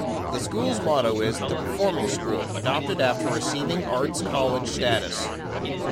The school's motto is "The Performing School", adopted after receiving Arts College status.